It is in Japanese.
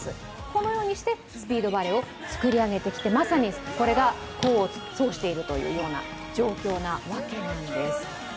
このようにしてスピードバレーを作り上げてきてまさにこれが功を奏しているという状況なわけです。